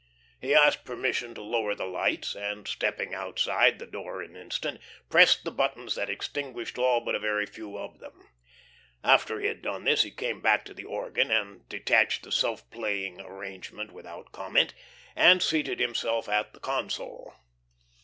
He asked permission to lower the lights, and stepping outside the door an instant, pressed the buttons that extinguished all but a very few of them. After he had done this he came back to the organ and detached the self playing "arrangement" without comment, and seated himself at the console.